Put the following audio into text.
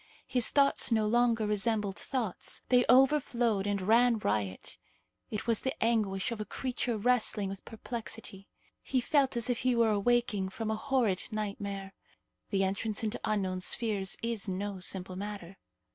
His thoughts no longer resembled thoughts. They overflowed and ran riot; it was the anguish of a creature wrestling with perplexity. He felt as if he were awaking from a horrid nightmare. The entrance into unknown spheres is no simple matter.